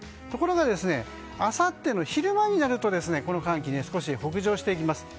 ところがあさっての昼間になるとこの寒気、少し北上していきます。